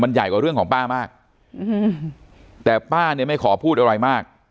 มันใหญ่กว่าเรื่องของป้ามากอืมแต่ป้าเนี่ยไม่ขอพูดอะไรมาก